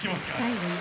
最後に。